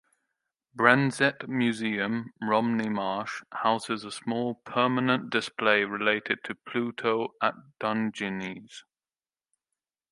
Brenzett Museum, Romney Marsh, houses a small permanent display related to Pluto at Dungeness.